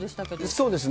そうですね。